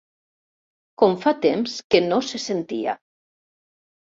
Com fa temps que no se sentia.